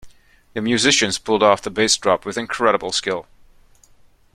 The musicians pulled off the bass drop with incredible skill.